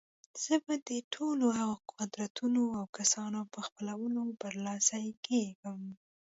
زه به د ټولو هغو قدرتونو او کسانو په خپلولو برلاسي کېږم.